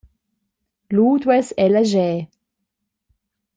Lu duess ella scher.